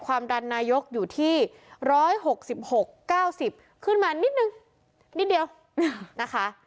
ความดันนายกอยู่ที่ร้อยหกสิบหกเก้าสิบขึ้นมานิดหนึ่งนิดเดียวนะคะ